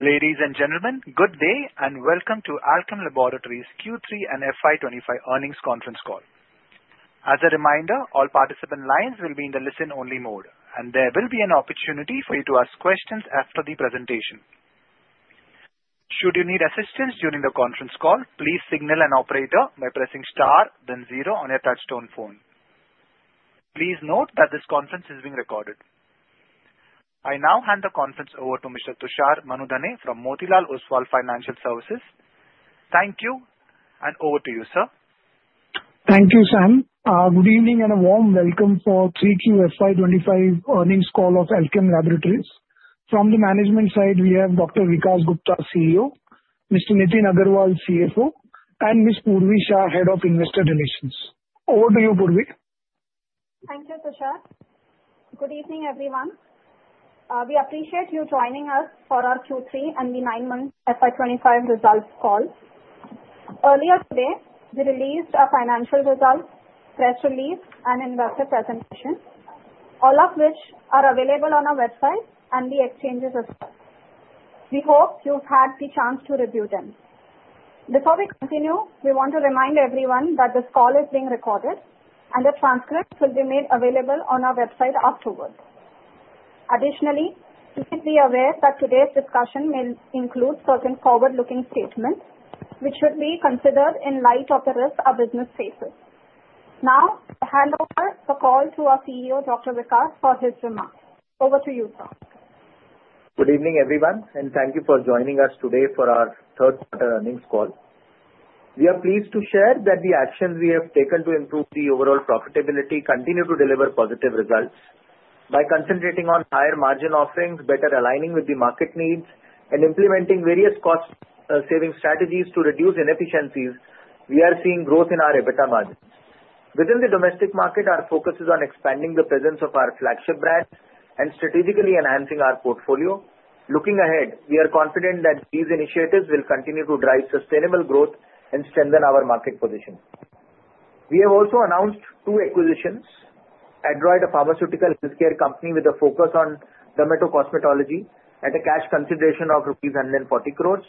Ladies and gentlemen, good day and welcome to Alkem Laboratories Q3 and FY25 earnings conference call. As a reminder, all participant lines will be in the listen-only mode, and there will be an opportunity for you to ask questions after the presentation. Should you need assistance during the conference call, please signal an operator by pressing star then zero on your touch-tone phone. Please note that this conference is being recorded. I now hand the conference over to Mr. Tushar Manudhane from Motilal Oswal Financial Services. Thank you, and over to you, sir. Thank you, Sam. Good evening and a warm welcome for Q3 FY25 earnings call of Alkem Laboratories. From the management side, we have Dr. Vikas Gupta, CEO, Mr. Nitin Agarwal, CFO, and Ms. Purvi Shah, Head of Investor Relations. Over to you, Purvi. Thank you, Tushar. Good evening, everyone. We appreciate you joining us for our Q3 and the nine-month FY25 results call. Earlier today, we released our financial results, press release, and investor presentation, all of which are available on our website and the exchanges as well. We hope you've had the chance to review them. Before we continue, we want to remind everyone that this call is being recorded, and the transcript will be made available on our website afterwards. Additionally, please be aware that today's discussion may include certain forward-looking statements, which should be considered in light of the risk our business faces. Now, I hand over the call to our CEO, Dr. Vikas, for his remarks. Over to you, sir. Good evening, everyone, and thank you for joining us today for our third-quarter earnings call. We are pleased to share that the actions we have taken to improve the overall profitability continue to deliver positive results. By concentrating on higher margin offerings, better aligning with the market needs, and implementing various cost-saving strategies to reduce inefficiencies, we are seeing growth in our EBITDA margins. Within the domestic market, our focus is on expandining the presence of our flagship brands and strategically enhancing our portfolio. Looking ahead, we are confident that these initiatives will continue to drive sustainable growth and strengthen our market position. We have also announced two acquisitions: Adroid, a pharmaceutical healthcare company with a focus on dermato-cosmetology at a cash consideration of rupees 140 crores,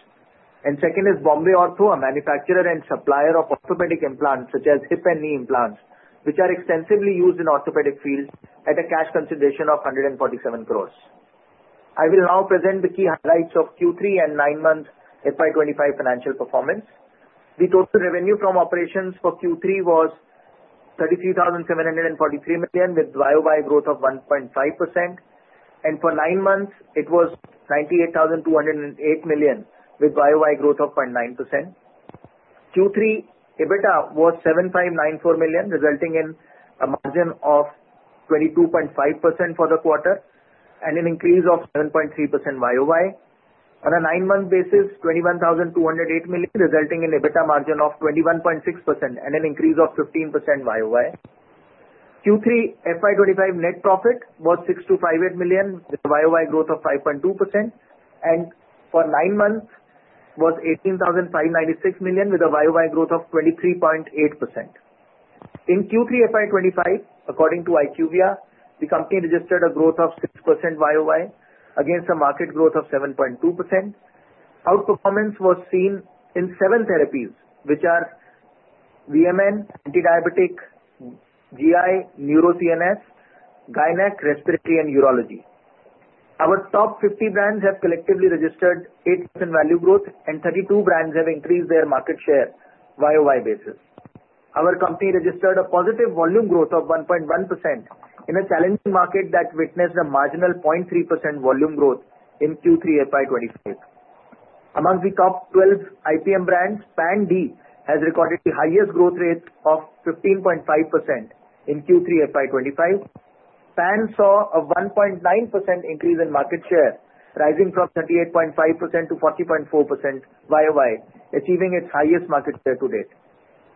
and second is Bombay Ortho, a manufacturer and supplier of orthopedic implants such as hip and knee implants, which are extensively used in the orthopedic field at a cash consideration of 147 crores. I will now present the key highlights of Q3 and nine-month FY25 financial performance. The total revenue from operations for Q3 was 33,743 million, with YOY growth of 1.5%. And for nine months, it was 98,208 million, with YOY growth of 0.9%. Q3 EBITDA was 7,594 million, resulting in a margin of 22.5% for the quarter and an increase of 7.3% YOY. On a nine-month basis, 21,208 million, resulting in EBITDA margin of 21.6% and an increase of 15% YOY. Q3 FY25 net profit was 6,258 million, with a YOY growth of 5.2%. For nine months, it was 18,596 million, with a YOY growth of 23.8%. In Q3 FY25, according to IQVIA, the company registered a growth of 6% YOY against a market growth of 7.2%. Outperformance was seen in seven therapies, which are VMN, antidiabetic, GI, neuro-CNS, GYNEC, respiratory, and urology. Our top 50 brands have collectively registered 8% value growth, and 32 brands have increased their market share YOY basis. Our company registered a positive volume growth of 1.1% in a challenging market that witnessed a marginal 0.3% volume growth in Q3 FY25. Among the top 12 IPM brands, Pan-D has recorded the highest growth rate of 15.5% in Q3 FY25. PAN saw a 1.9% increase in market share, rising from 38.5% to 40.4% YOY, achieving its highest market share to date.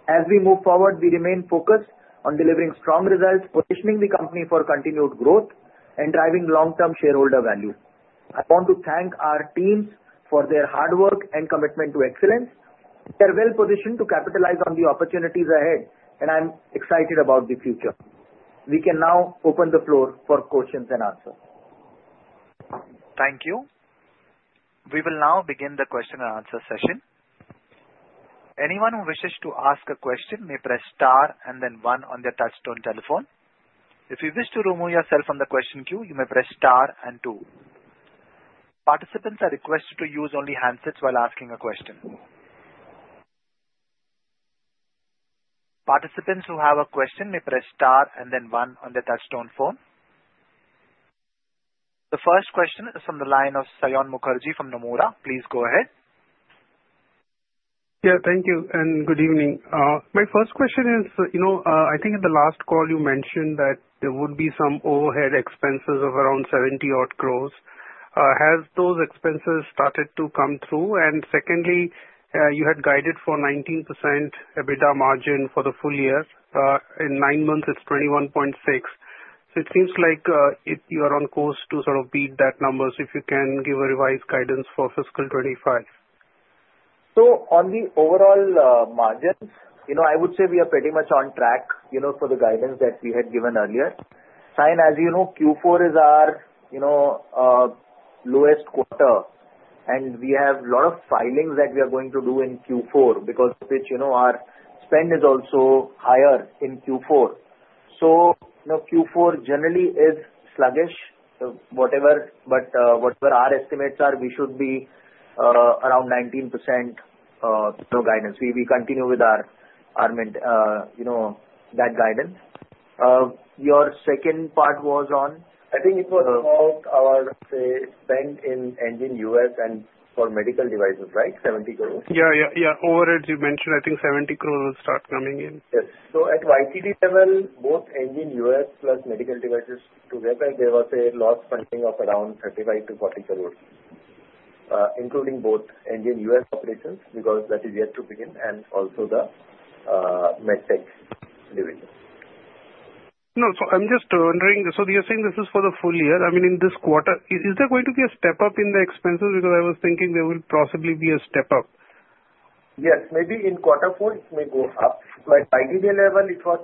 As we move forward, we remain focused on delivering strong results, positioning the company for continued growth, and driving long-term shareholder value. I want to thank our teams for their hard work and commitment to excellence. They are well-positioned to capitalize on the opportunities ahead, and I'm excited about the future. We can now open the floor for questions and answers. Thank you. We will now begin the question-and-answer session. Anyone who wishes to ask a question may press star and then one on their touch-tone telephone. If you wish to remove yourself from the question queue, you may press star and two. Participants are requested to use only handsets while asking a question. Participants who have a question may press star and then one on their touch-tone phone. The first question is from the line of Saion Mukherjee from Nomura. Please go ahead. Yeah, thank you, and good evening. My first question is, I think in the last call you mentioned that there would be some overhead expenses of around 70-odd crores. Has those expenses started to come through? And secondly, you had guided for 19% EBITDA margin for the full year. In nine months, it's 21.6%. So it seems like you are on course to sort of beat that number. So if you can give a revised guidance for fiscal 25. So on the overall margins, I would say we are pretty much on track for the guidance that we had given earlier. Say, as you know, Q4 is our lowest quarter, and we have a lot of filings that we are going to do in Q4 because our spend is also higher in Q4. So Q4 generally is sluggish, whatever, but whatever our estimates are, we should be around 19% guidance. We continue with that guidance. Your second part was on. I think it was about our, say, spend in Enzene US and for medical devices, right? 70 crores? Yeah, yeah, yeah. Over it, you mentioned, I think 70 crores will start coming in. Yes. So, at YTD level, both Enzene US plus medical devices together, there was a lost funding of around 35-40 crores, including both Enzene US operations because that is yet to begin and also the MedTech division. No, so I'm just wondering, so you're saying this is for the full year. I mean, in this quarter, is there going to be a step up in the expenses? Because I was thinking there would possibly be a step up. Yes, maybe in quarter four, it may go up. So at YTD level, it was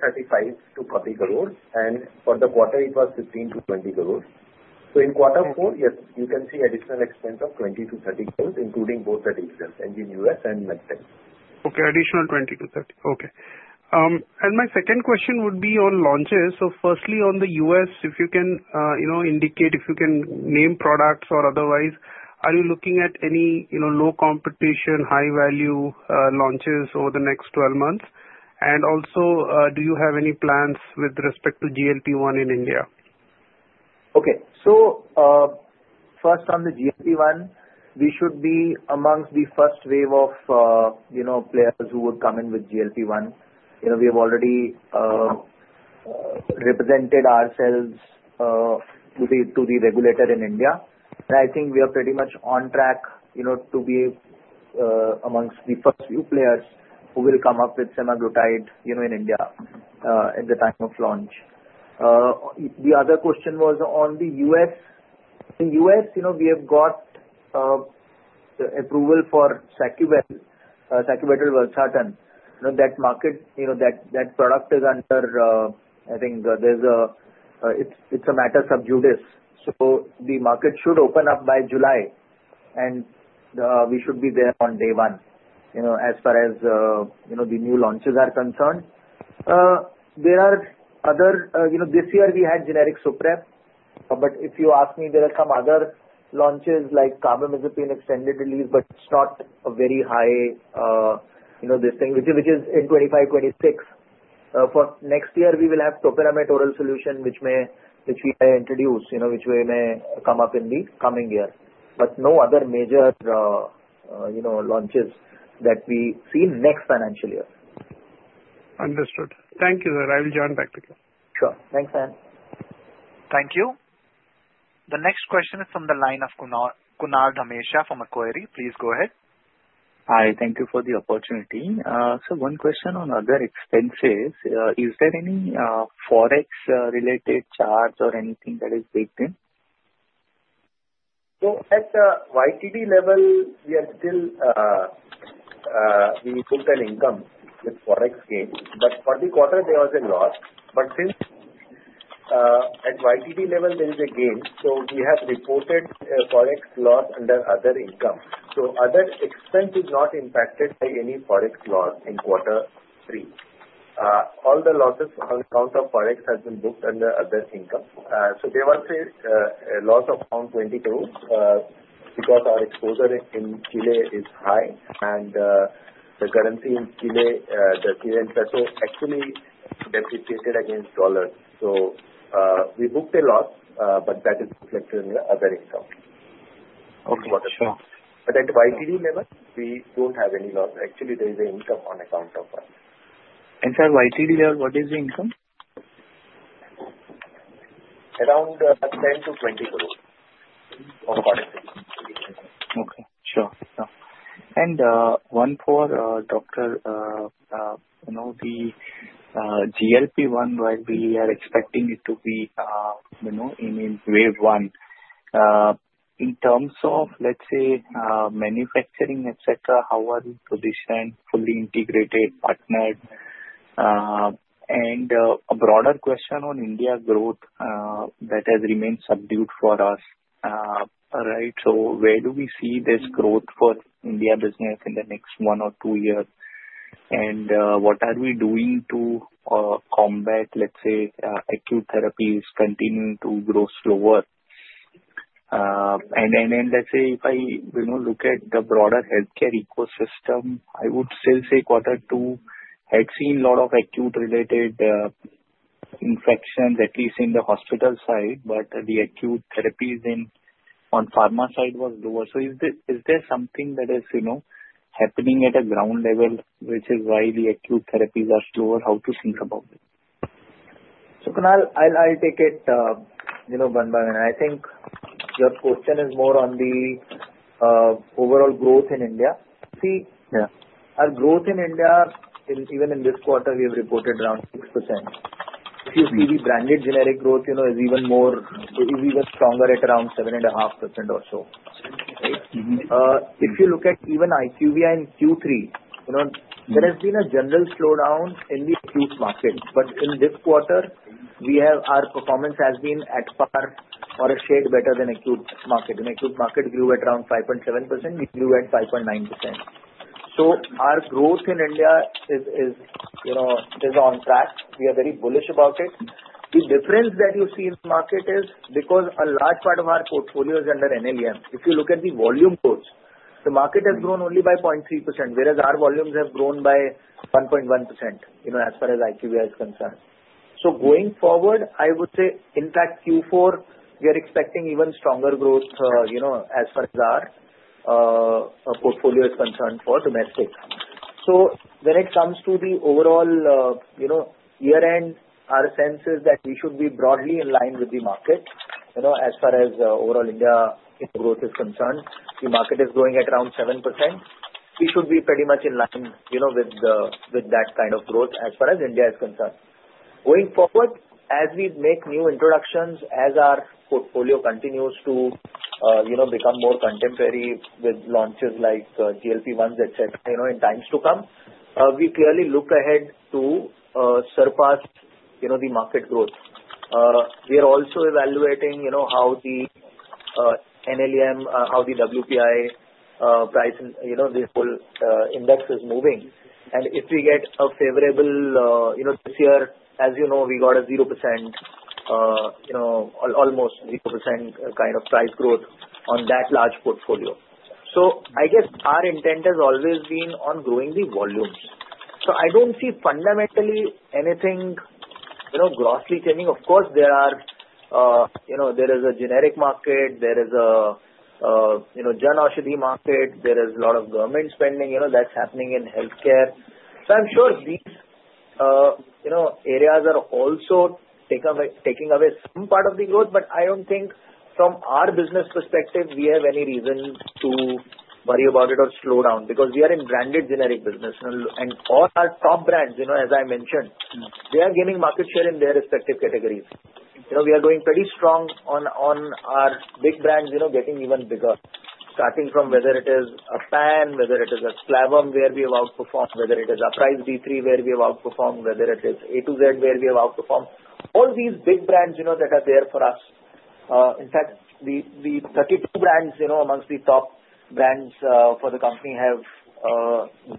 35-40 crores, and for the quarter, it was 15-20 crores. So in quarter four, yes, you can see additional expense of 20-30 crores, including both the Enzene US and MedTech. Okay, additional 20-30. Okay. And my second question would be on launches. So firstly, on the, if you can indicate, if you can name products or otherwise, are you looking at any low-competition, high-value launches over the next 12 months? And also, do you have any plans with respect to GLP-1 in India? Okay. So first, on the GLP-1, we should be amongst the first wave of players who would come in with GLP-1. We have already represented ourselves to the regulator in India. And I think we are pretty much on track to be amongst the first few players who will come up with semaglutide in India at the time of launch. The other question was on the In the, we have got approval for sacubitril valsartan. That product is under, I think it's a matter sub judice. So the market should open up by July, and we should be there on day one as far as the new launches are concerned. There are other this year, we had generic Suprep, but if you ask me, there are some other launches like carbamazepine extended release, but it's not a very high this thing, which is in 25, 26. For next year, we will have topiramate oral solution, which we may introduce, which may come up in the coming year. But no other major launches that we see next financial year. Understood. Thank you, sir. I will join back to you. Sure. Thanks, Sam. Thank you. The next question is from the line of Kunal Dhamesha from Macquarie. Please go ahead. Hi, thank you for the opportunity. So one question on other expenses. Is there any forex-related charge or anything that is baked in? At the YTD level, we are still. We booked an income with forex gains, but for the quarter, there was a loss. But since at YTD level, there is a gain, so we have reported forex loss under other income. So other expense is not impacted by any forex loss in quarter three. All the losses on account of forex have been booked under other income. So there was a loss of around 20 crore because our exposure in Chile is high, and the currency in Chile, the Chilean peso, actually depreciated against dollars. So we booked a loss, but that is reflected in other income. Okay, sure. But at YTD level, we don't have any loss. Actually, there is an income on account of forex. For YTD level, what is the income? Around INR 10-20 crores on forex. Okay, sure. And one for Dr. Vikas. The GLP-1, while we are expecting it to be in wave one, in terms of, let's say, manufacturing, etc., how are we positioned? Fully integrated, partnered? And a broader question on India growth that has remained subdued for us, right? So where do we see this growth for India business in the next one or two years? And what are we doing to combat, Let's say, acute therapies continuing to grow slower? And then let's say if I look at the broader healthcare ecosystem, I would still say quarter two had seen a lot of acute-related infections, at least in the hospital side, but the acute therapies on pharma side were lower. So is there something that is happening at a ground level, which is why the acute therapies are slower? How to think about it? So Kunal, I'll take it one by one. I think your question is more on the overall growth in India. See, our growth in India, even in this quarter, we have reported around 6%. If you see the branded generic growth, it is even stronger at around 7.5% or so. If you look at even IQVIA in Q3, there has been a general slowdown in the acute market. But in this quarter, our performance has been at far or a shade better than acute market. In acute market, we grew at around 5.7%. We grew at 5.9%. So our growth in India is on track. We are very bullish about it. The difference that you see in the market is because a large part of our portfolio is under NLEM. If you look at the volume growth, the market has grown only by 0.3%, whereas our volumes have grown by 1.1% as far as IQVIA is concerned. So going forward, I would say, in fact, Q4, we are expecting even stronger growth as far as our portfolio is concerned for domestic. So when it comes to the overall year-end, our sense is that we should be broadly in line with the market as far as overall India growth is concerned. The market is growing at around 7%. We should be pretty much in line with that kind of growth as far as India is concerned. Going forward, as we make new introductions, as our portfolio continues to become more contemporary with launches like GLP-1s, etc., in times to come, we clearly look ahead to surpass the market growth. We are also evaluating how the NLEM, how the WPI price, the whole index is moving, and if we get a favorable this year, as you know, we got a 0%, almost 0% kind of price growth on that large portfolio. So I guess our intent has always been on growing the volumes. So I don't see fundamentally anything grossly changing. Of course, there is a generic market. There is a Jan Aushadhi market. There is a lot of government spending that's happening in healthcare. So I'm sure these areas are also taking away some part of the growth, but I don't think from our business perspective, we have any reason to worry about it or slow down because we are in branded generic business. And all our top brands, as I mentioned, they are gaining market share in their respective categories. We are going pretty strong on our big brands getting even bigger, starting from whether it is Pan, whether it is Clavam where we have outperformed, whether it is Uprise-D3 where we have outperformed, whether it is A to Z where we have outperformed. All these big brands that are there for us. In fact, the 32 brands amongst the top brands for the company have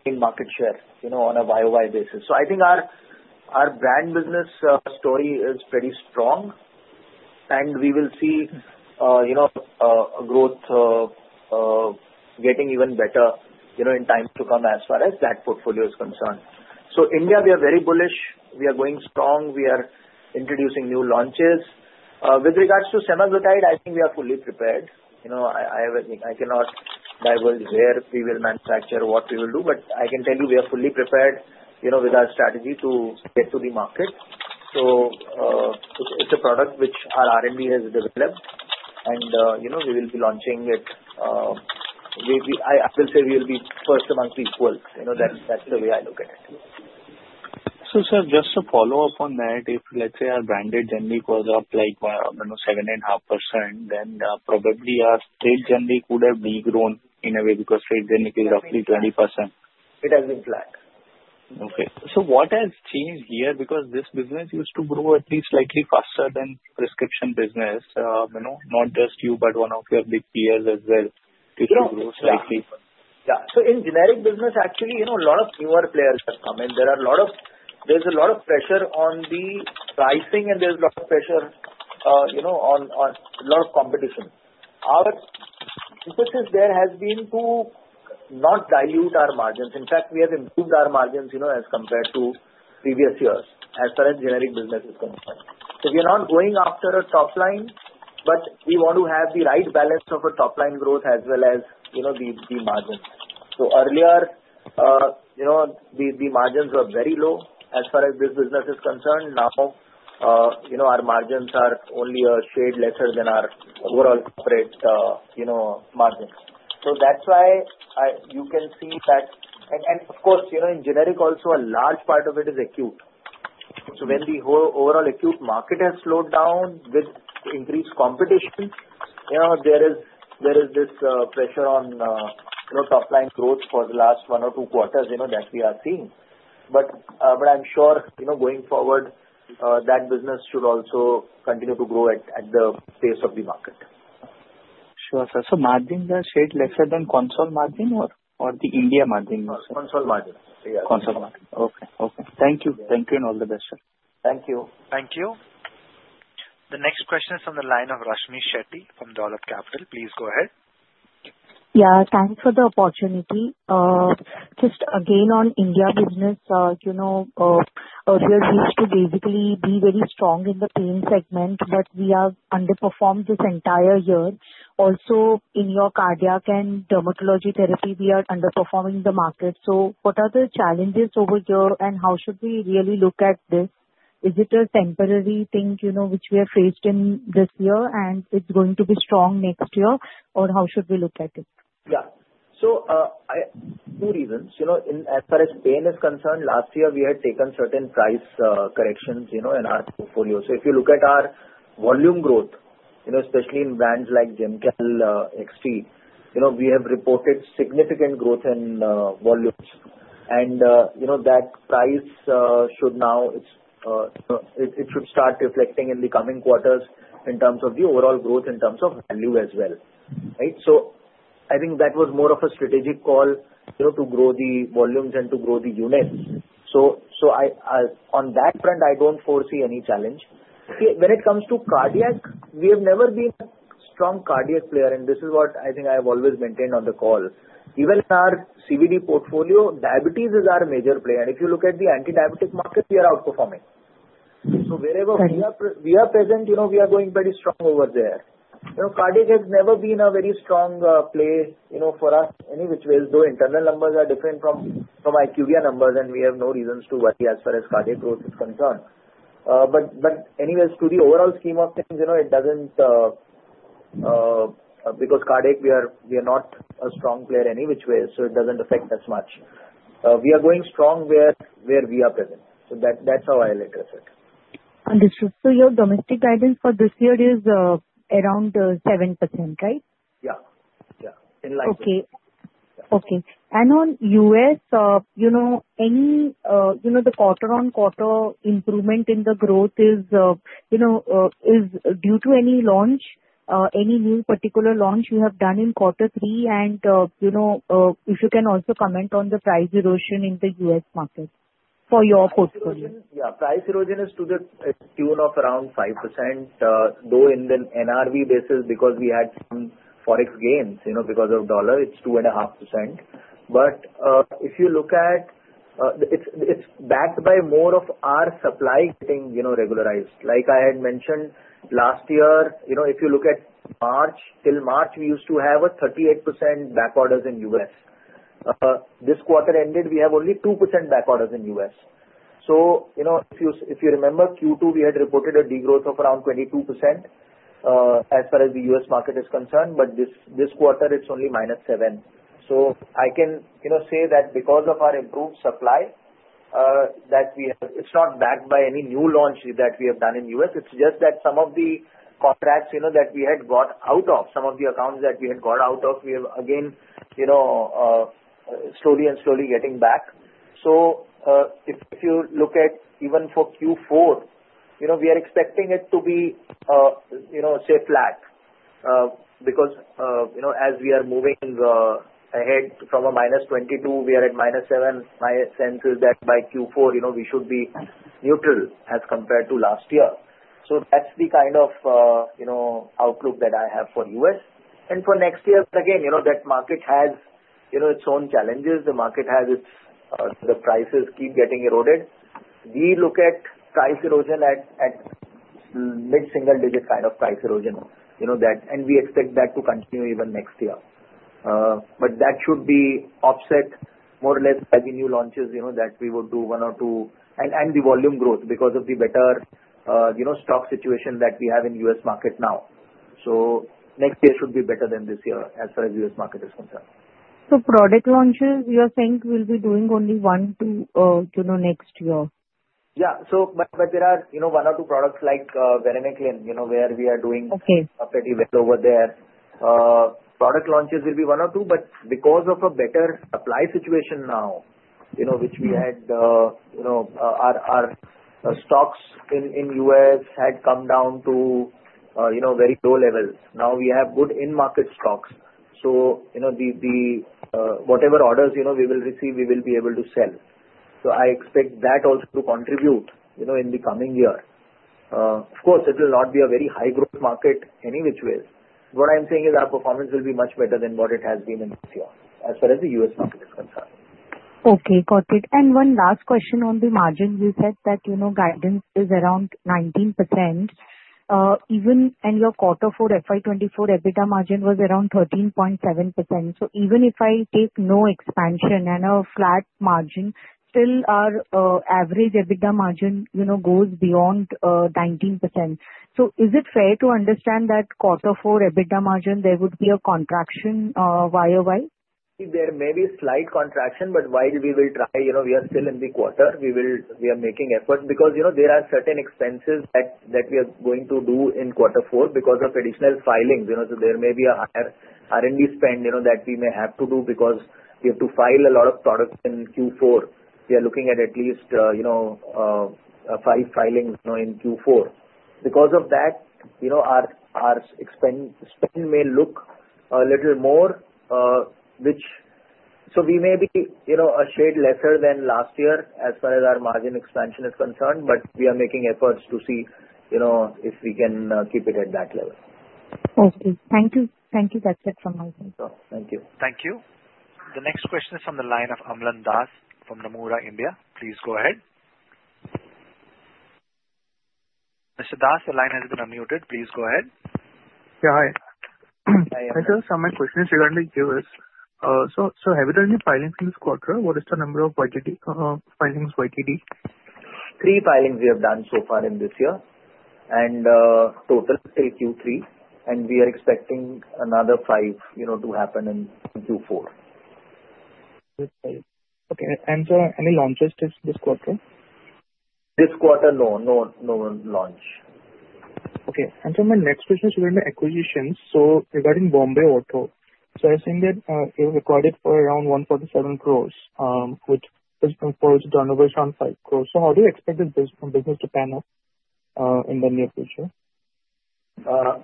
gained market share on a YOY basis. So I think our brand business story is pretty strong, and we will see growth getting even better in times to come as far as that portfolio is concerned. So India, we are very bullish. We are going strong. We are introducing new launches. With regards to semaglutide, I think we are fully prepared. I cannot divulge where we will manufacture, what we will do, but I can tell you we are fully prepared with our strategy to get to the market. So it's a product which our R&D has developed, and we will be launching it. I will say we will be first amongst the equals. That's the way I look at it. So sir, just to follow up on that, if let's say our branded generic was up like 7.5%, then probably our state generic would have regrown in a way because state generic is roughly 20%. It has been flat. Okay, so what has changed here? Because this business used to grow at least slightly faster than prescription business. Not just you, but one of your big peers as well. Yeah. So in generic business, actually, a lot of newer players have come. And there is a lot of pressure on the pricing, and there is a lot of competition. Our emphasis there has been to not dilute our margins. In fact, we have improved our margins as compared to previous years as far as generic business is concerned. So we are not going after a top line, but we want to have the right balance of a top line growth as well as the margins. So earlier, the margins were very low as far as this business is concerned. Now, our margins are only a shade lesser than our overall corporate margins. So that's why you can see that. And of course, in generic, also a large part of it is acute. So when the overall acute market has slowed down with increased competition, there is this pressure on top line growth for the last one or two quarters that we are seeing. But I'm sure going forward, that business should also continue to grow at the pace of the market. Sure, sir. So margin is a shade lesser than consensus margin or the India margin? Console margin. Console margin. Okay. Okay. Thank you. Thank you and all the best, sir. Thank you. Thank you. The next question is from the line of Rashmmi Shetty from Dolat Capital. Please go ahead. Yeah, thanks for the opportunity. Just again on India business, earlier we used to basically be very strong in the pain segment, but we have underperformed this entire year. Also, in your cardiac and dermatology therapy, we are underperforming the market. So what are the challenges over here, and how should we really look at this? Is it a temporary thing which we are faced in this year, and it's going to be strong next year, or how should we look at it? Yeah. So two reasons. As far as pain is concerned, last year, we had taken certain price corrections in our portfolio. So if you look at our volume growth, especially in brands like Gemcal-XT, we have reported significant growth in volumes. And that price should now, it should start reflecting in the coming quarters in terms of the overall growth in terms of value as well. Right? So I think that was more of a strategic call to grow the volumes and to grow the units. So on that front, I don't foresee any challenge. When it comes to cardiac, we have never been a strong cardiac player, and this is what I think I have always maintained on the call. Even in our CVD portfolio, diabetes is our major player. And if you look at the anti-diabetic market, we are outperforming. So wherever we are present, we are going pretty strong over there. Cardiac has never been a very strong play for us in which ways, though internal numbers are different from IQVIA numbers, and we have no reasons to worry as far as cardiac growth is concerned. But anyways, to the overall scheme of things, it doesn't because cardiac, we are not a strong player in any which way, so it doesn't affect us much. We are going strong where we are present. So that's how I'll address it. Understood. So your domestic guidance for this year is around 7%, right? Yeah. Yeah. In light of. Okay. And on, any quarter-on-quarter improvement in the growth is due to any launch, any new particular launch you have done in quarter three? And if you can also comment on the price erosion in the market for your portfolio. Yeah. Price erosion is to the tune of around 5%, though in the NRV basis because we had some forex gains because of dollar, it's 2.5%. But if you look at it's backed by more of our supply getting regularized. Like I had mentioned last year, if you look at March, till March, we used to have 38% back orders in This quarter ended, we have only 2% back orders in So if you remember Q2, we had reported a degrowth of around 22% as far as the market is concerned, but this quarter, it's only minus 7%. So I can say that because of our improved supply, that it's not backed by any new launch that we have done in It's just that some of the contracts that we had got out of, some of the accounts that we had got out of, we have again slowly and slowly getting back. So if you look at even for Q4, we are expecting it to be, say, flat because as we are moving ahead from a minus 22, we are at minus 7. My sense is that by Q4, we should be neutral as compared to last year. So that's the kind of outlook that I have for And for next year, again, that market has its own challenges. The market has its prices keep getting eroded. We look at price erosion at mid-single digit kind of price erosion, and we expect that to continue even next year. But that should be offset more or less by the new launches that we would do one or two, and the volume growth because of the better stock situation that we have in market now. So next year should be better than this year as far as market is concerned. Product launches, you are saying we'll be doing only one to next year? Yeah. But there are one or two products like Varenicline where we are doing pretty well over there. Product launches will be one or two, but because of a better supply situation now, which we had, our stocks in had come down to very low levels. Now we have good in-market stocks. So whatever orders we will receive, we will be able to sell. So I expect that also to contribute in the coming year. Of course, it will not be a very high-growth market any which ways. What I'm saying is our performance will be much better than what it has been in this year as far as the market is concerned. Okay. Got it. And one last question on the margin. You said that guidance is around 19%, and your quarter four FY24 EBITDA margin was around 13.7%. So even if I take no expansion and a flat margin, still our average EBITDA margin goes beyond 19%. So is it fair to understand that quarter four EBITDA margin, there would be a contraction YOY? There may be a slight contraction, but while we will try, we are still in the quarter. We are making efforts because there are certain expenses that we are going to do in quarter four because of additional filings. So there may be a higher R&D spend that we may have to do because we have to file a lot of products in Q4. We are looking at least five filings in Q4. Because of that, our spend may look a little more, which, so we may be a shade lesser than last year as far as our margin expansion is concerned, but we are making efforts to see if we can keep it at that level. Okay. Thank you. Thank you. That's it from my side. Thank you. Thank you. The next question is from the line of Amlan Das from Nomura, India. Please go ahead. Mr. Das, the line has been unmuted. Please go ahead. Yeah. Hi. I just have my questions regarding QS. So have you done any filings in this quarter? What is the number of filings, YTD? Three filings we have done so far in this year and total till Q3, and we are expecting another five to happen in Q4. Okay, and sir, any launches this quarter? This quarter, no. No launch. Okay. And sir, my next question is regarding the acquisitions. So regarding Bombay Ortho, so I've seen that you recorded for around 147 crores, which is a turnover around 5 crores. So how do you expect this business to pan out in the near future? A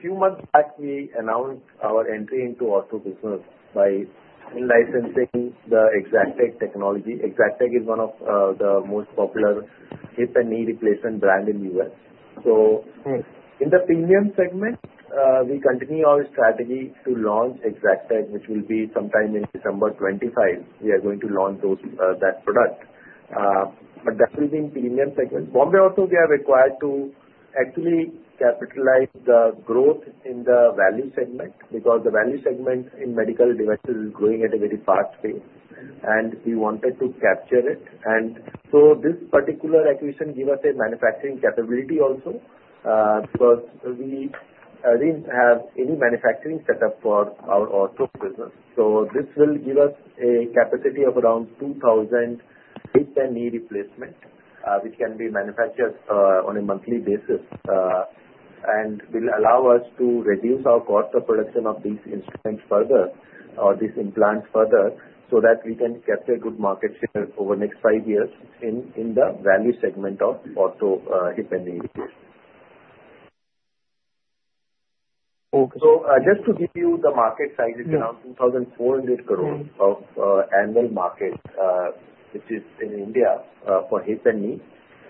few months back, we announced our entry into ortho business by licensing the Exactech technology. Exactech is one of the most popular hip and knee replacement brands in the So in the premium segment, we continue our strategy to launch Exactech, which will be sometime in December 2025. We are going to launch that product. But that will be in premium segment. Bombay Ortho, we are required to actually capitalize the growth in the value segment because the value segment in medical devices is growing at a very fast pace, and we wanted to capture it. And so this particular acquisition gives us a manufacturing capability also because we didn't have any manufacturing setup for our ortho business. This will give us a capacity of around 2,000 hip and knee replacements, which can be manufactured on a monthly basis, and will allow us to reduce our cost of production of these instruments further or these implants further so that we can capture good market share over the next five years in the value segment of ortho hip and knee replacements. So just to give you the market size, it's around 2,400 crores annual market, which is in India for hip and knee.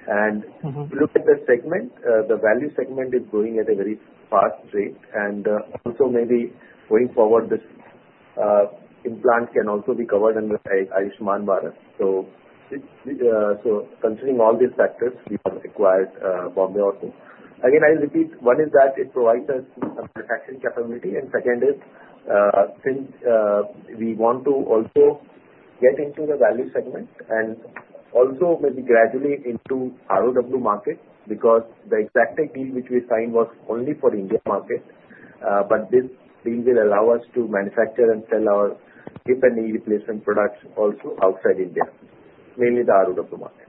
And if you look at the segment, the value segment is growing at a very fast rate. And also maybe going forward, this implant can also be covered under Ayushman Bharat. So considering all these factors, we have acquired Bombay Ortho. Again, I'll repeat. One is that it provides us manufacturing capability, and second is since we want to also get into the value segment and also maybe gradually into ROW market because the Exactech deal which we signed was only for India market, but this deal will allow us to manufacture and sell our hip and knee replacement products also outside India, mainly the ROW market.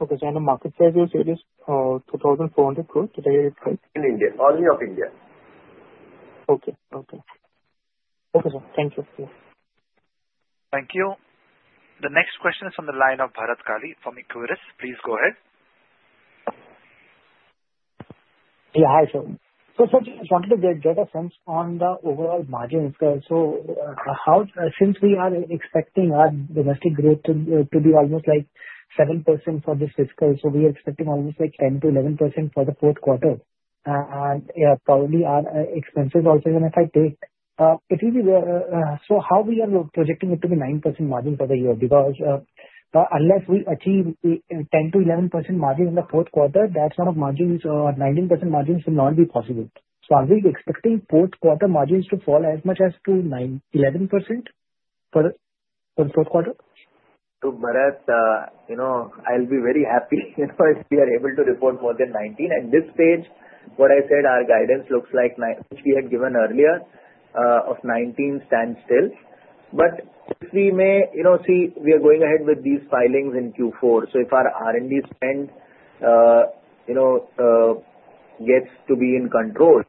Okay. And the market size is INR 2,400 crores today, right? In India. Only of India. Okay, sir. Thank you. Thank you. The next question is from the line of Bharat Culli, Tommy Kuris. Please go ahead. Yeah. Hi, sir. So sir, I just wanted to get a sense on the overall margins. So since we are expecting our domestic growth to be almost like 7% for this fiscal, so we are expecting almost like 10%-11% for the fourth quarter. And probably our expenses also is going to take it will be so how we are projecting it to be 9% margin for the year because unless we achieve 10%-11% margin in the fourth quarter, that sort of margin or 19% margin will not be possible. So are we expecting fourth quarter margins to fall as much as to 11% for the fourth quarter? To Bharat, I'll be very happy if we are able to report more than 19. At this stage, what I said, our guidance looks like which we had given earlier of 19 stands still. But if we may see we are going ahead with these filings in Q4. So if our R&D spend gets to be in control,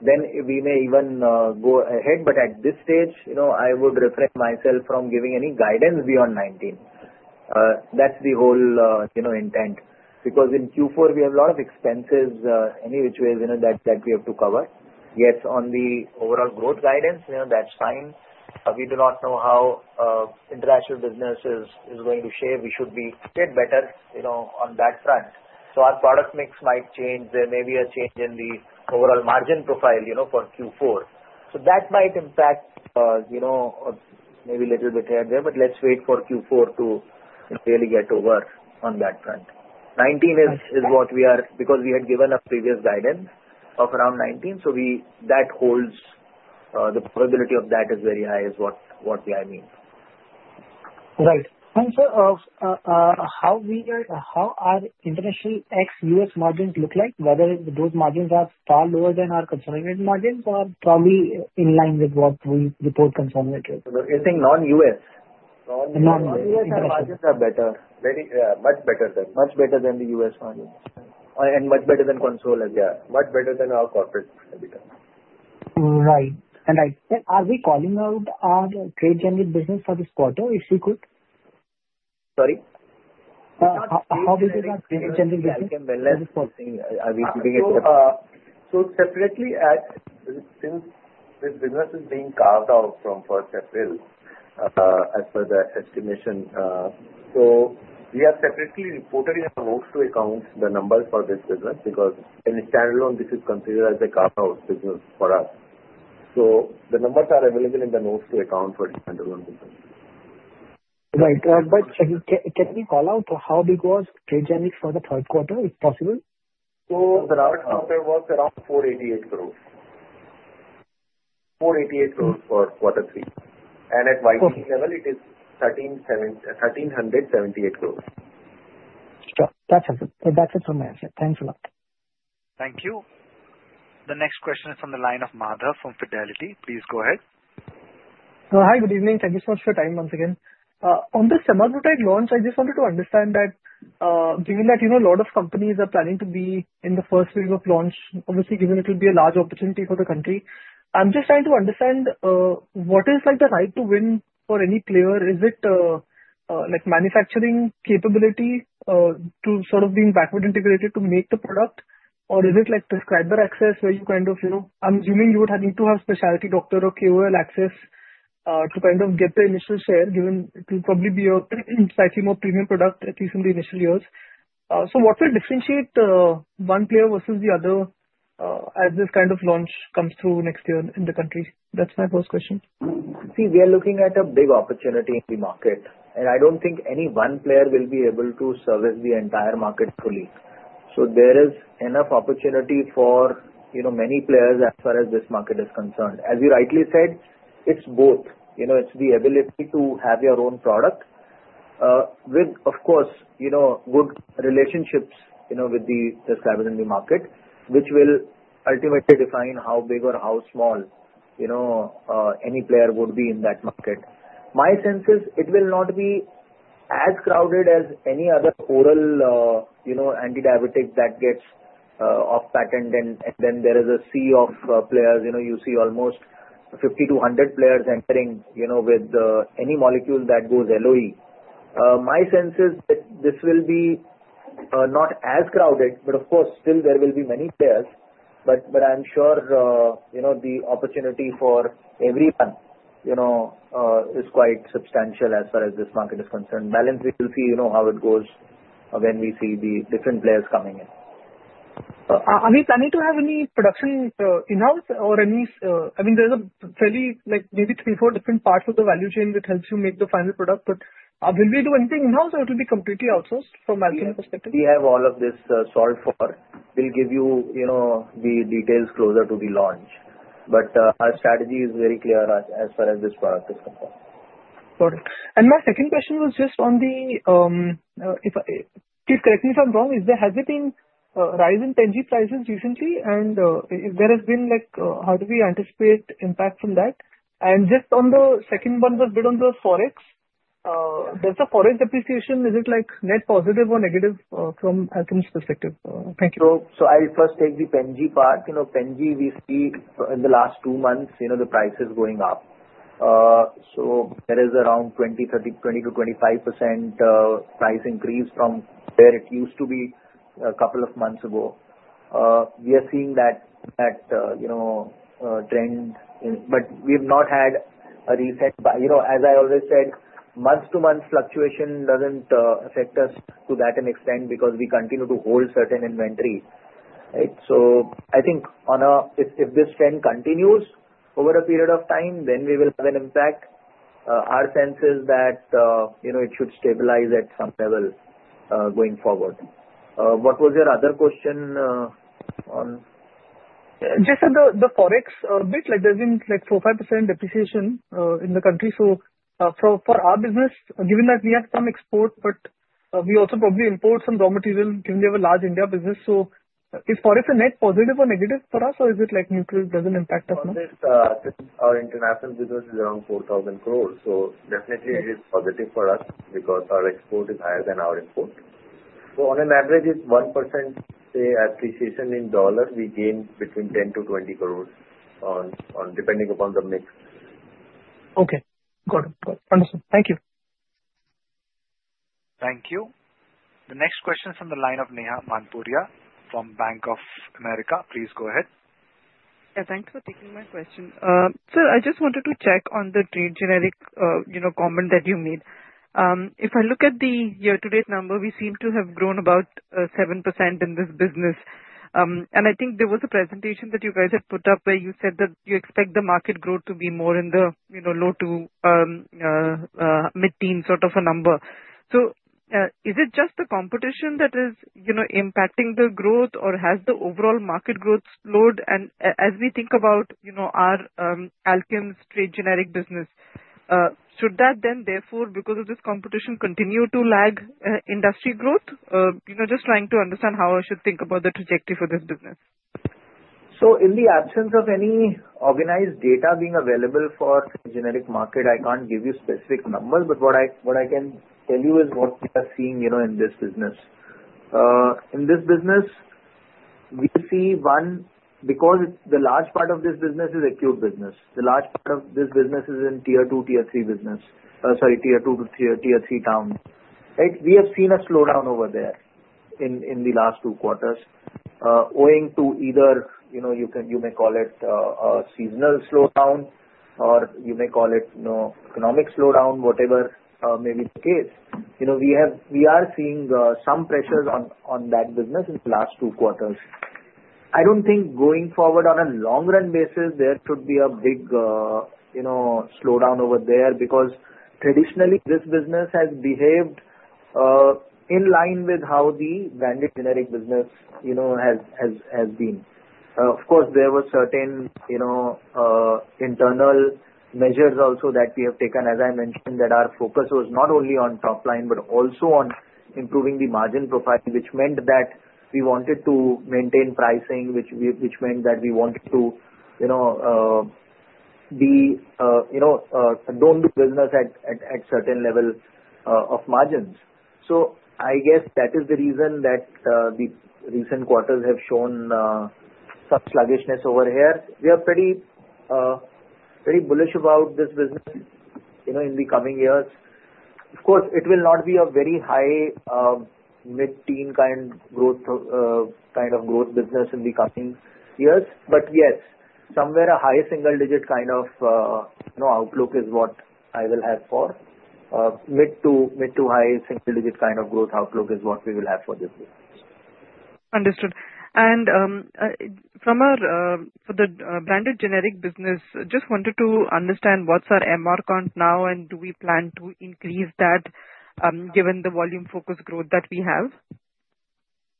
then we may even go ahead. But at this stage, I would refrain myself from giving any guidance beyond 19. That's the whole intent because in Q4, we have a lot of expenses any which way that we have to cover. Yes, on the overall growth guidance, that's fine. We do not know how international business is going to share. We should be a bit better on that front. So our product mix might change. There may be a change in the overall margin profile for Q4. So that might impact maybe a little bit here, but let's wait for Q4 to really get over on that front. 19 is what we are because we had given a previous guidance of around 19. So that holds, the probability of that is very high, is what I mean. Right. And sir, how are international ex-US margins look like, whether those margins are far lower than our consolidated margins or probably in line with what we report consolidated? You're saying non-US? Non-US margins are better. Much better than the margins and much better than consolidated. Yeah. Much better than our corporate EBITDA. Right. And are we calling out our trade generics business for this quarter if we could? Sorry? How big is our trade generics business? I can memorize it for seeing are we keeping it separately? So, separately, since this business is being carved out from first April as per the estimation, so we have separately reported in our notes to accounts the numbers for this business because in standalone, this is considered as a carved-out business for us. So, the numbers are available in the notes to accounts for standalone business. Right. But can we call out how big was trade generics for the third quarter if possible? So the last quarter was around INR 488 crores. INR 488 crores for quarter three. And at YTD level, it is INR 1,378 crores. That's it. That's it from my side. Thanks a lot. Thank you. The next question is from the line of Madhav from Fidelity. Please go ahead. Hi, good evening. Thank you so much for your time once again. On the semaglutide launch, I just wanted to understand that given that a lot of companies are planning to be in the first wave of launch, obviously given it will be a large opportunity for the country, I'm just trying to understand what is the right to win for any player? Is it manufacturing capability to sort of being backward integrated to make the product, or is it prescriber access where you kind of I'm assuming you would need to have specialty doctor or KOL access to kind of get the initial share given it will probably be a slightly more premium product, at least in the initial years? So what will differentiate one player versus the other as this kind of launch comes through next year in the country? That's my first question. See, we are looking at a big opportunity in the market, and I don't think any one player will be able to service the entire market fully. So there is enough opportunity for many players as far as this market is concerned. As you rightly said, it's both. It's the ability to have your own product with, of course, good relationships with the prescribers in the market, which will ultimately define how big or how small any player would be in that market. My sense is it will not be as crowded as any other oral antidiabetic that gets off-patent, and then there is a sea of players. You see almost 50-100 players entering with any molecule that goes LOE. My sense is that this will be not as crowded, but of course, still there will be many players. But I'm sure the opportunity for everyone is quite substantial as far as this market is concerned. Balance, we will see how it goes when we see the different players coming in. Are we planning to have any production in-house or any? I mean, there's a fairly maybe three, four different parts of the value chain that helps you make the final product, but will we do anything in-house or it will be completely outsourced from Alkem perspective? We have all of this solved for. We'll give you the details closer to the launch. But our strategy is very clear as far as this product is concerned. Got it. And my second question was just, please correct me if I'm wrong. Has there been a rise in Pen G prices recently, and if there has been, how do we anticipate impact from that? And just on the second one, based on the Forex. There's a Forex appreciation. Is it net positive or negative from Alkem's perspective? Thank you. I'll first take the PEN G part. PEN G, we see in the last two months, the price is going up. There is around 20%-25% price increase from where it used to be a couple of months ago. We are seeing that trend, but we have not had a recent, as I always said, month-to-month fluctuation that doesn't affect us to that extent because we continue to hold certain inventory. I think if this trend continues over a period of time, then we will have an impact. Our sense is that it should stabilize at some level going forward. What was your other question on? Just on the Forex bit, there's been 45% depreciation in the country. So for our business, given that we have some export, but we also probably import some raw material given we have a large India business. So is Forex a net positive or negative for us, or is it neutral? It doesn't impact us much? Our international business is around 4,000 crores. So definitely, it is positive for us because our export is higher than our import. So on an average, it's 1%, say, appreciation in dollar. We gain between 10 to 20 crores depending upon the mix. Okay. Got it. Got it. Understood. Thank you. Thank you. The next question is from the line of Neha Manpuria from Bank of America. Please go ahead. Yeah. Thanks for taking my question. Sir, I just wanted to check on the trade generic comment that you made. If I look at the year-to-date number, we seem to have grown about 7% in this business. And I think there was a presentation that you guys had put up where you said that you expect the market growth to be more in the low to mid-teens sort of a number. So is it just the competition that is impacting the growth, or has the overall market growth slowed? And as we think about our Alkem's trade generic business, should that then, therefore, because of this competition, continue to lag industry growth? Just trying to understand how I should think about the trajectory for this business. So in the absence of any organized data being available for trade generic market, I can't give you specific numbers, but what I can tell you is what we are seeing in this business. In this business, we see one because the large part of this business is acute business. The large part of this business is in tier two, tier three business. Sorry, tier two to tier three towns. We have seen a slowdown over there in the last two quarters, owing to either you may call it a seasonal slowdown or you may call it economic slowdown, whatever may be the case. We are seeing some pressures on that business in the last two quarters. I don't think going forward on a long-run basis, there could be a big slowdown over there because traditionally, this business has behaved in line with how the branded generic business has been. Of course, there were certain internal measures also that we have taken, as I mentioned, that our focus was not only on top line, but also on improving the margin profile, which meant that we wanted to maintain pricing, which meant that we didn't want to do business at certain level of margins. So I guess that is the reason that the recent quarters have shown some sluggishness over here. We are pretty bullish about this business in the coming years. Of course, it will not be a very high mid-teen kind of growth business in the coming years, but yes, somewhere a high single-digit kind of outlook is what I will have for. Mid to high single-digit kind of growth outlook is what we will have for this business. Understood. And for the branded generic business, just wanted to understand what's our MR count now, and do we plan to increase that given the volume-focused growth that we have?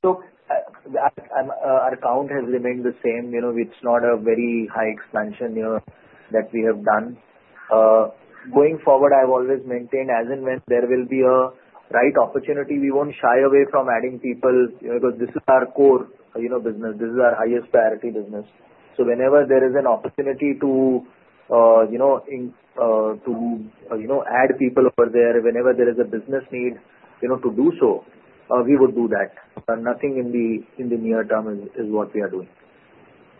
So our count has remained the same. It's not a very high expansion that we have done. Going forward, I've always maintained as in when there will be a right opportunity, we won't shy away from adding people because this is our core business. This is our highest priority business. So whenever there is an opportunity to add people over there, whenever there is a business need to do so, we would do that. Nothing in the near term is what we are doing.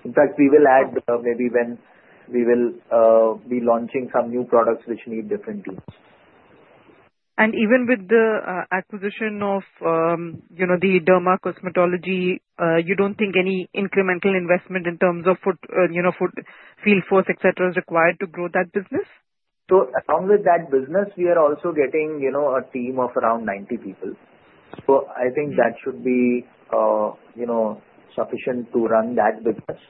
In fact, we will add maybe when we will be launching some new products which need different deals. Even with the acquisition of the dermato-cosmetology, you don't think any incremental investment in terms of field force, etc., is required to grow that business? Along with that business, we are also getting a team of around 90 people. I think that should be sufficient to run that business.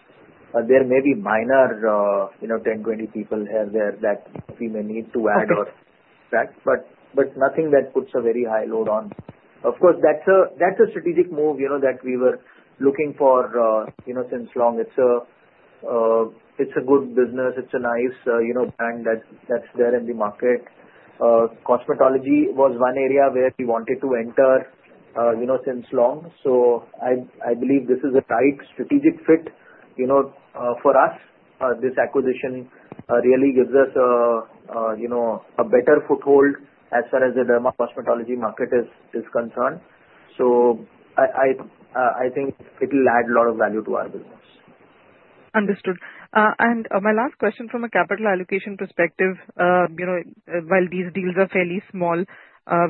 There may be minor 10-20 people here and there that we may need to add or track, but nothing that puts a very high load on. Of course, that's a strategic move that we were looking for since long. It's a good business. It's a nice brand that's there in the market. Dermato-cosmetology was one area where we wanted to enter since long. I believe this is a tight strategic fit for us. This acquisition really gives us a better foothold as far as the dermato-cosmetology market is concerned. I think it will add a lot of value to our business. Understood. And my last question from a capital allocation perspective, while these deals are fairly small,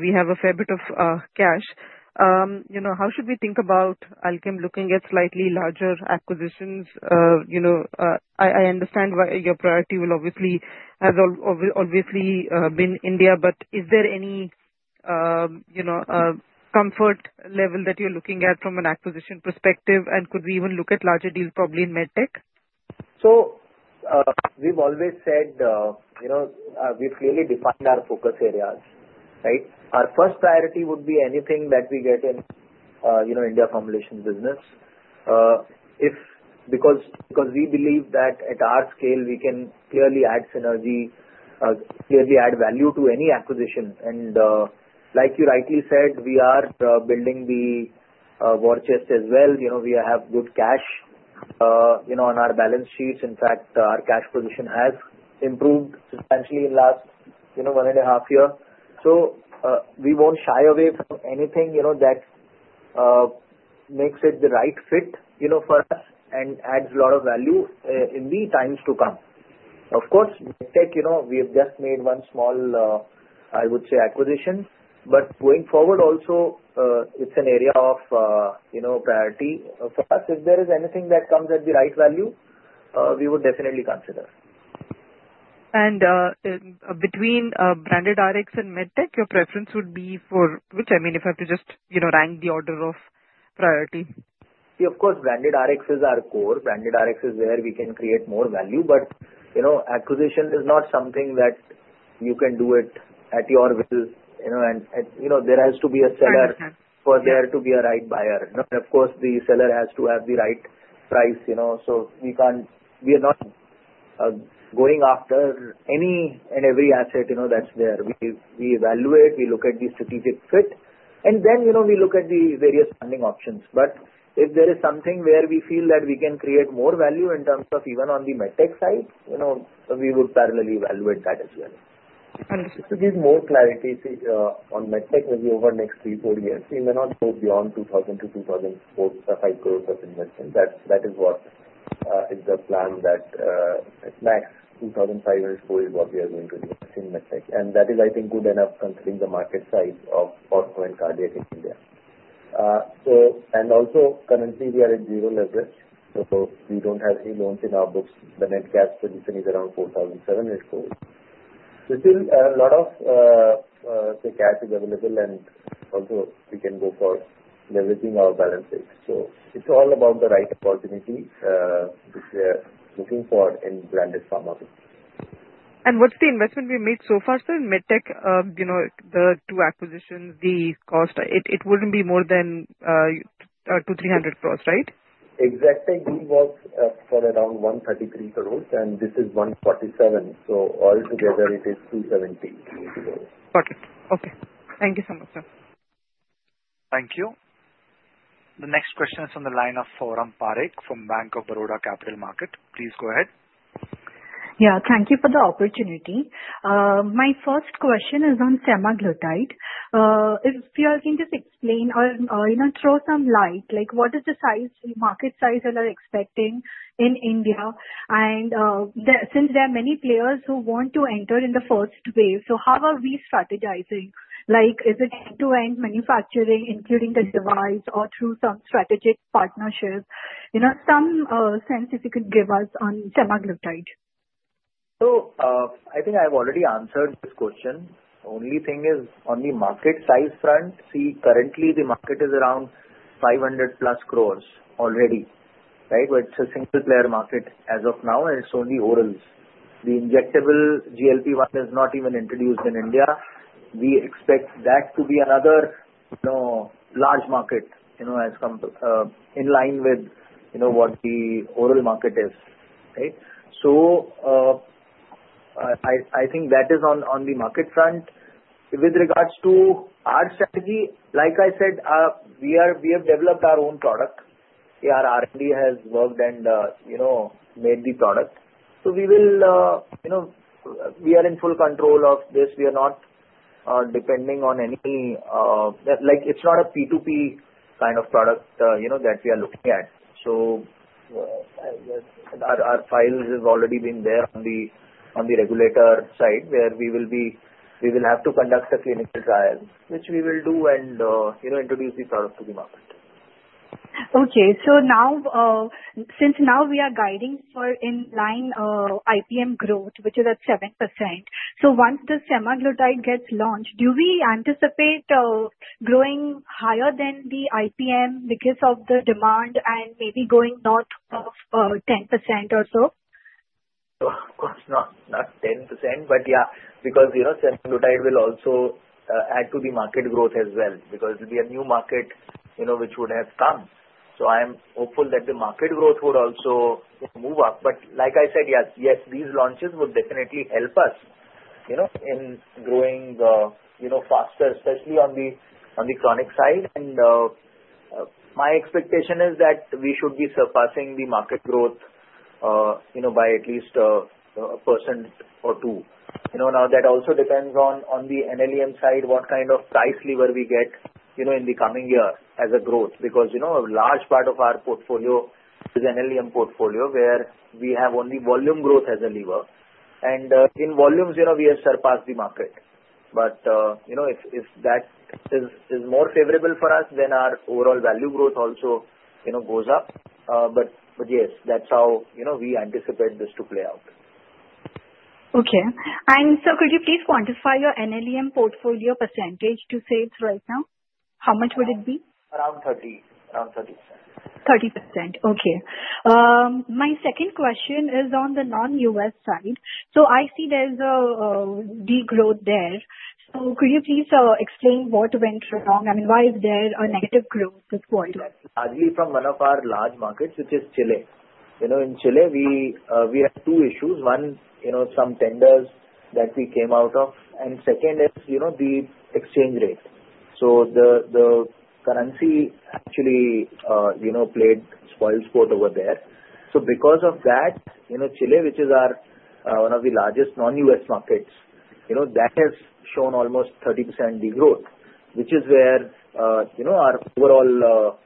we have a fair bit of cash. How should we think about Alkem looking at slightly larger acquisitions? I understand your priority will obviously have been India, but is there any comfort level that you're looking at from an acquisition perspective, and could we even look at larger deals probably in MedTech? So we've always said we've clearly defined our focus areas. Our first priority would be anything that we get in India formulations business because we believe that at our scale, we can clearly add synergy, clearly add value to any acquisition. And like you rightly said, we are building the war chest as well. We have good cash on our balance sheets. In fact, our cash position has improved substantially in the last one and a half year. So we won't shy away from anything that makes it the right fit for us and adds a lot of value in the times to come. Of course, MedTech, we have just made one small, I would say, acquisition, but going forward also, it's an area of priority for us. If there is anything that comes at the right value, we would definitely consider. Between branded Rx and MedTech, your preference would be for which? I mean, if I have to just rank the order of priority. See, of course, branded Rx is our core. Branded Rx is where we can create more value, but acquisition is not something that you can do it at your will. And there has to be a seller for there to be a right buyer. Of course, the seller has to have the right price. So we are not going after any and every asset that's there. We evaluate, we look at the strategic fit, and then we look at the various funding options. But if there is something where we feel that we can create more value in terms of even on the MedTech side, we would parallelly evaluate that as well. Understood. To give more clarity on MedTech maybe over the next three, four years, we may not go beyond 2,000-2,500 crores of investment. That is what is the plan that at max 2,500 crores is what we are going to do in MedTech. And that is, I think, good enough considering the market size of Ortho and cardiac in India. And also, currently, we are at zero leverage. So we don't have any loans in our books. The net cash position is around 4,700 crores. So still, a lot of cash is available, and also we can go for leveraging our balance sheet. So it's all about the right opportunity which we are looking for in branded pharma business. What's the investment we made so far, sir, in MedTech? The two acquisitions, the cost, it wouldn't be more than 2,300 crores, right? Exactly. We was for around 133 crores, and this is 147. so altogether, it is 270. Got it. Okay. Thank you so much, sir. Thank you. The next question is from the line of Foram Parekh from Bank of Baroda Capital Markets. Please go ahead. Yeah. Thank you for the opportunity. My first question is on semaglutide. If you all can just explain or throw some light, what is the market size you are expecting in India? And since there are many players who want to enter in the first wave, so how are we strategizing? Is it end-to-end manufacturing, including the device, or through some strategic partnership? Some sense, if you could give us on semaglutide? So I think I've already answered this question. Only thing is, on the market size front, see, currently, the market is around 500 plus crores already, right? But it's a single-player market as of now, and it's only orals. The injectable GLP-1 is not even introduced in India. We expect that to be another large market in line with what the oral market is, right? So I think that is on the market front. With regards to our strategy, like I said, we have developed our own product. Our R&D has worked and made the product. So we are in full control of this. We are not depending on any; it's not a P2P kind of product that we are looking at. Our files have already been there on the regulator side where we will have to conduct a clinical trial, which we will do and introduce the product to the market. Okay. So since now we are guiding for in line IPM growth, which is at 7%, so once the semaglutide gets launched, do we anticipate growing higher than the IPM because of the demand and maybe going north of 10% or so? Of course, not 10%, but yeah, because they will also add to the market growth as well because it will be a new market which would have come. So I am hopeful that the market growth would also move up. But like I said, yes, these launches would definitely help us in growing faster, especially on the chronic side. And my expectation is that we should be surpassing the market growth by at least 1% or 2%. Now, that also depends on the NLEM side, what kind of price lever we get in the coming year as a growth because a large part of our portfolio is NLEM portfolio where we have only volume growth as a lever. And in volumes, we have surpassed the market. But if that is more favorable for us, then our overall value growth also goes up. But yes, that's how we anticipate this to play out. Okay. And so could you please quantify your NLEM portfolio percentage to sales right now? How much would it be? Around 30. Around 30%. 30%. Okay. My second question is on the non-US side. So I see there's a degrowth there. So could you please explain what went wrong? I mean, why is there a negative growth this quarter? Largely from one of our large markets, which is Chile. In Chile, we have two issues: one, some tenders that we came out of, and second is the exchange rate, so the currency actually played spoil sport over there. So because of that, Chile, which is one of the largest non-US markets, has shown almost 30% degrowth, which is where our overall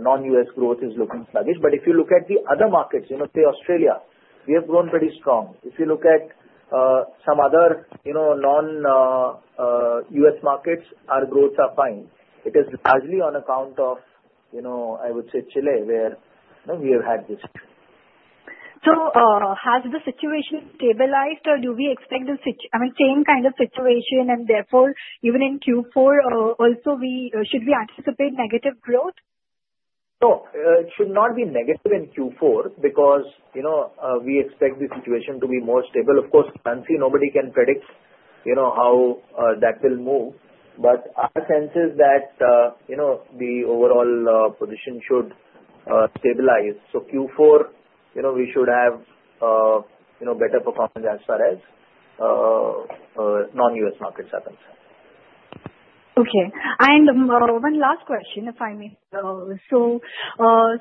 non-US growth is looking sluggish. But if you look at the other markets, say Australia, we have grown pretty strong. If you look at some other non-US markets, our growths are fine. It is largely on account of, I would say, Chile where we have had this. So has the situation stabilized, or do we expect the same kind of situation and therefore even in Q4 also, should we anticipate negative growth? So it should not be negative in Q4 because we expect the situation to be more stable. Of course, currency, nobody can predict how that will move. But our sense is that the overall position should stabilize. So Q4, we should have better performance as far as non-US markets are concerned. Okay. And one last question, if I may. So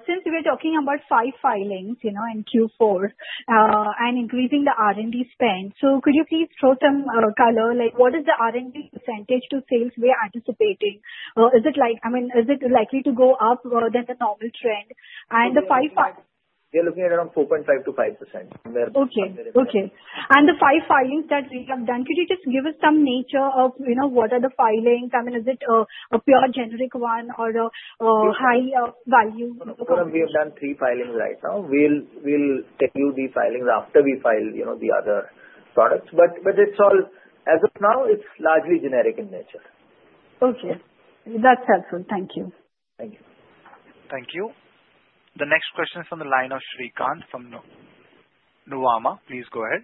since we are talking about five filings in Q4 and increasing the R&D spend, so could you please throw some color? What is the R&D percentage to sales we are anticipating? I mean, is it likely to go up than the normal trend? And the five filings? We are looking at around 4.5%-5%. Okay. And the five filings that we have done, could you just give us some nature of what are the filings? I mean, is it a pure generic one or a high value? So far, we have done three filings right now. We'll tell you the filings after we file the other products. But as of now, it's largely generic in nature. Okay. That's helpful. Thank you. Thank you. Thank you. The next question is from the line of Pan-D from Nuvama. Please go ahead.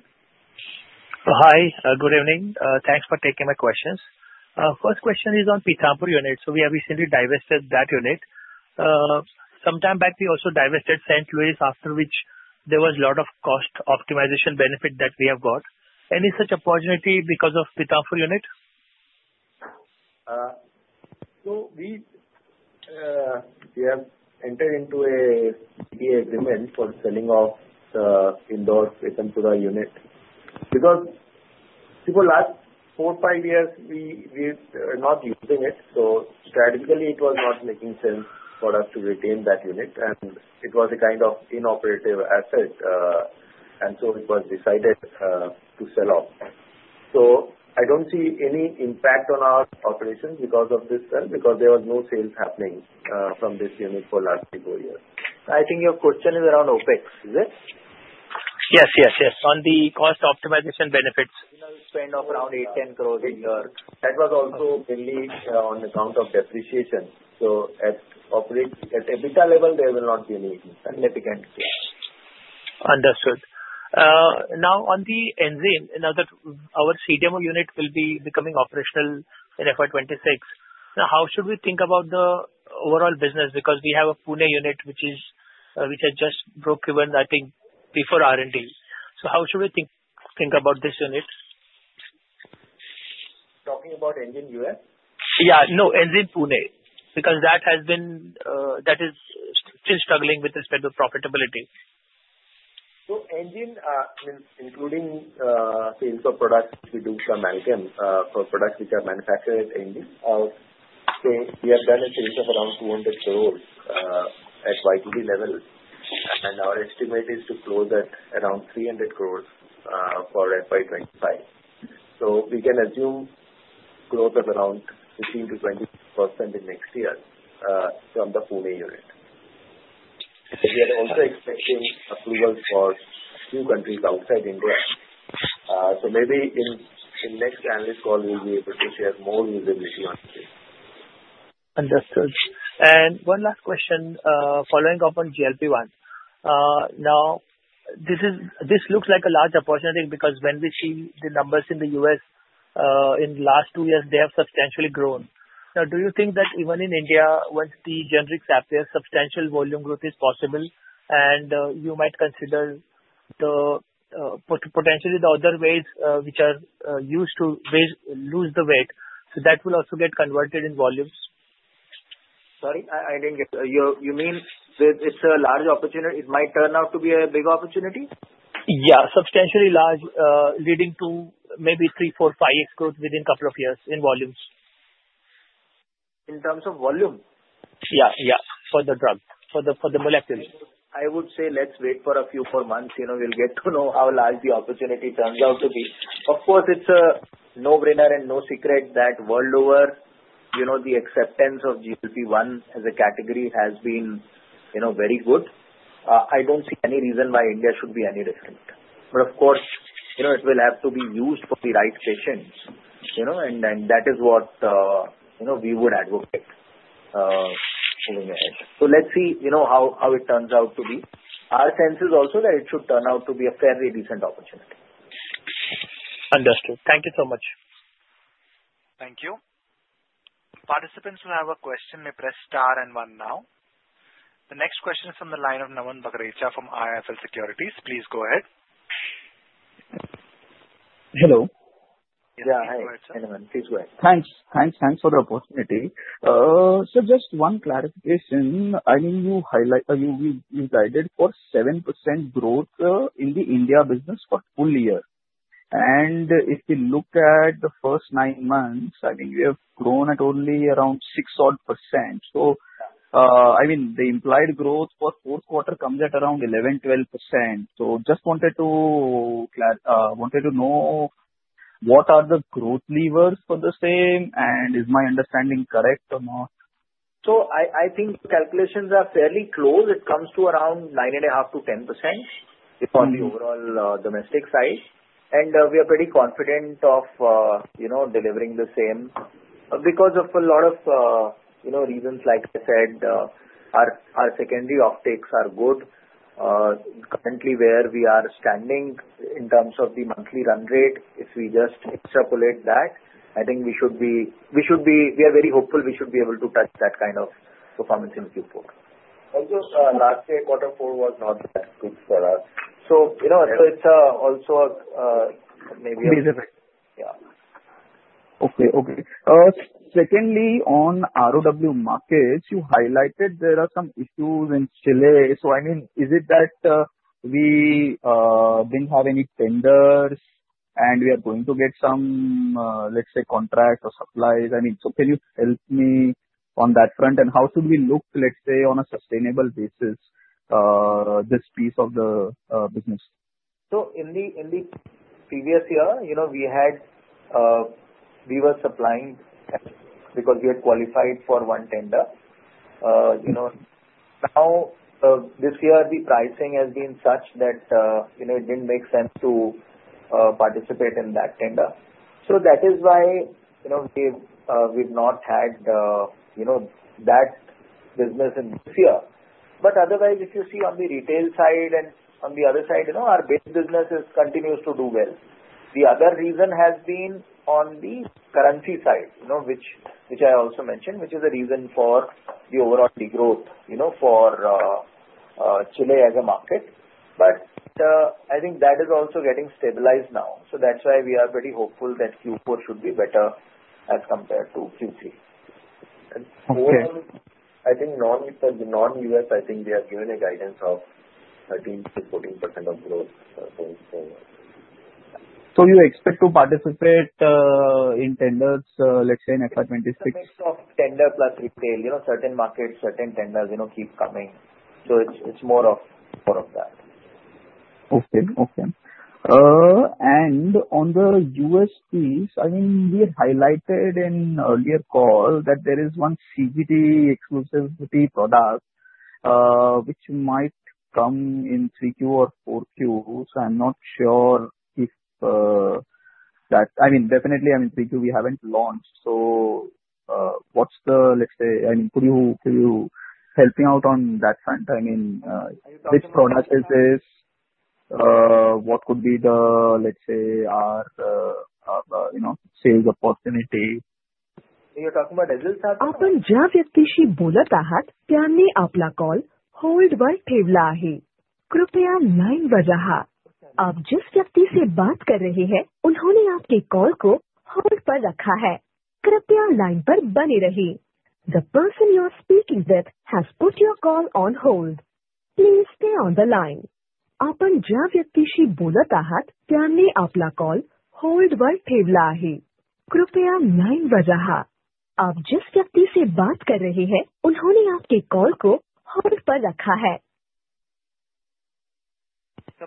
Hi. Good evening. Thanks for taking my questions. First question is on Pithampur unit. So we have recently divested that unit. Sometime back, we also divested St. Louis, after which there was a lot of cost optimization benefit that we have got. Any such opportunity because of Pithampur unit? So we have entered into a agreement for selling off the Indore Srirangpura unit because for the last four, five years, we're not using it. So strategically, it was not making sense for us to retain that unit. And it was a kind of inoperative asset. And so it was decided to sell off. So I don't see any impact on our operations because of this sale because there was no sales happening from this unit for the last few years. I think your question is around OpEx. Is it? Yes, yes, yes. On the cost optimization benefits. We spend around 8-10 crores a year. That was also mainly on account of depreciation. So at EBITDA level, there will not be any significant growth. Understood. Now, on the Enzene, now that our CDMO unit will be becoming operational in FY26, now how should we think about the overall business? Because we have a Pune unit which has just broke even, I think, before R&D. So how should we think about this unit? Talking about Enzene? Yeah. No, Enzene Pune because that is still struggling with respect to profitability. Enzene, including sales of products which we do for Alkem, for products which are manufactured at Enzene, we have done a sales of around 200 crores at B2B level. Our estimate is to close at around 300 crores for FY25. We can assume growth of around 15%-20% in next year from the Pune unit. We are also expecting approval for a few countries outside India. Maybe in the next analyst call, we'll be able to share more visibility on this. Understood. And one last question following up on GLP-1. Now, this looks like a large opportunity because when we see the numbers in the in the last two years, they have substantially grown. Now, do you think that even in India, once the generics appear, substantial volume growth is possible and you might consider potentially the other ways which are used to lose the weight, so that will also get converted in volumes? Sorry, I didn't get you. You mean it's a large opportunity? It might turn out to be a big opportunity? Yeah. Substantially large, leading to maybe three, four, five growth within a couple of years in volumes. In terms of volume? Yeah, yeah. For the drug, for the molecules. I would say let's wait for a few more months. We'll get to know how large the opportunity turns out to be. Of course, it's a no-brainer and no secret that world over, the acceptance of GLP-1 as a category has been very good. I don't see any reason why India should be any different. But of course, it will have to be used for the right patients. And that is what we would advocate moving ahead. So let's see how it turns out to be. Our sense is also that it should turn out to be a fairly decent opportunity. Understood. Thank you so much. Thank you. Participants who have a question, may press * and 1 now. The next question is from the line of Naman Bagrecha from IIFL Securities. Please go ahead. Hello. Yeah. Hi. Hello, madam. Please go ahead. Thanks. Thanks. Thanks for the opportunity. So just one clarification. I mean, you guided for 7% growth in the India business for full year. And if you look at the first nine months, I mean, we have grown at only around 6-odd%. So I mean, the implied growth for fourth quarter comes at around 11-12%. So just wanted to know what are the growth levers for the same and is my understanding correct or not? So I think calculations are fairly close. It comes to around 9.5-10% on the overall domestic side. And we are pretty confident of delivering the same because of a lot of reasons, like I said, our secondary optics are good. Currently, where we are standing in terms of the monthly run rate, if we just extrapolate that, I think we are very hopeful we should be able to touch that kind of performance in Q4. Also, last year, quarter four was not that good for us. So it's also maybe. Misrepresented. Yeah. Okay. Okay. Secondly, on ROW markets, you highlighted there are some issues in Chile. So I mean, is it that we didn't have any tenders and we are going to get some, let's say, contracts or supplies? I mean, so can you help me on that front? And how should we look, let's say, on a sustainable basis, this piece of the business? So in the previous year, we were supplying because we had qualified for one tender. Now, this year, the pricing has been such that it didn't make sense to participate in that tender. So that is why we've not had that business in this year. But otherwise, if you see on the retail side and on the other side, our business continues to do well. The other reason has been on the currency side, which I also mentioned, which is a reason for the overall degrowth for Chile as a market. But I think that is also getting stabilized now. So that's why we are pretty hopeful that Q4 should be better as compared to Q3. And overall, I think for the non-, I think we are given a guidance of 13%-14% growth going forward. So you expect to participate in tenders, let's say, in FY26? Tender plus retail. Certain markets, certain tenders keep coming. So it's more of that. Okay. Okay. And on the piece, I mean, we had highlighted in earlier call that there is one CGT exclusivity product which might come in 3Q or 4Q. So I'm not sure if that I mean, definitely, I mean, 3Q, we haven't launched. So what's the, let's say, I mean, which product is this? What could be the, let's say, our sales opportunity? You're talking about azilsartan? आपण ज्या व्यक्तीशी बोलत आहात, त्यांनी आपला call होल्डवर ठेवला आहे. कृपया लाइनवर रहा. आप जिस व्यक्ति से बात कर रहे हैं, उन्होंने आपके कॉल को होल्ड पर रखा है. कृपया लाइन पर बने रहें. The person you are speaking with has put your call on hold. Please stay on the line. आपण ज्या व्यक्तीशी बोलत आहात, त्यांनी आपला कॉल होल्डवर ठेवला आहे. कृपया लाइनवर रहा. आप जिस व्यक्ति से बात कर रहे हैं, उन्होंने आपके कॉल को होल्ड पर रखा है. So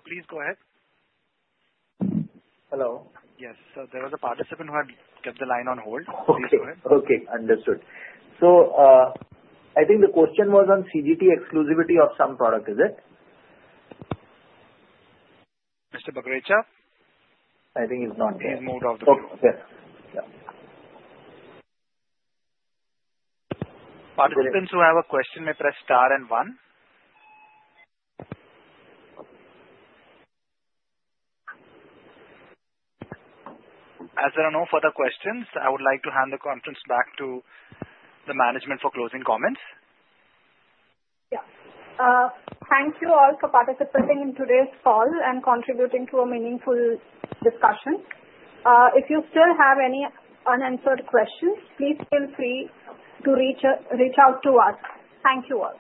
please go ahead. Hello. Yes. So there was a participant who had kept the line on hold. Please go ahead. Okay. Understood. So I think the question was on CGT exclusivity of some product. Is it? Mr. Bagrecha? I think he's not here. He's moved off the call. Okay. Yeah. Participants who have a question, may press * and 1. As there are no further questions, I would like to hand the conference back to the management for closing comments. Yeah. Thank you all for participating in today's call and contributing to a meaningful discussion. If you still have any unanswered questions, please feel free to reach out to us. Thank you all.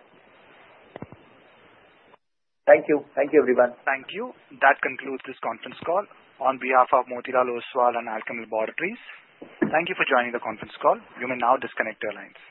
Thank you. Thank you, everyone. Thank you. That concludes this conference call on behalf of Motilal Oswal and Alkem Laboratories. Thank you for joining the conference call. You may now disconnect your lines.